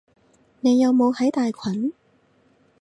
你有冇喺大群？